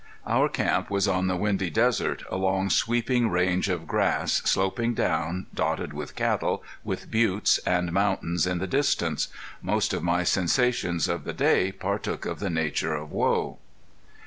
Our camp was on the windy desert, a long sweeping range of grass, sloping down, dotted with cattle, with buttes and mountains in the distance. Most of my sensations of the day partook of the nature of woe.